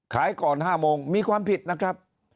ขายก่อน๕โมงมีความผิดนะครับ